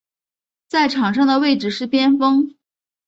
在场上的位置是边锋。